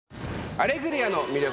『アレグリア』の魅力。